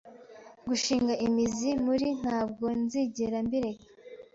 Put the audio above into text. gushinga imizi muri ntabwo nzigera mbireka